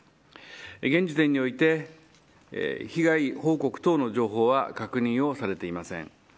現時点において被害報告等の情報は確認をされていません。